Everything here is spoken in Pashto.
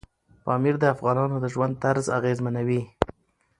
پامیر د افغانانو د ژوند طرز اغېزمنوي.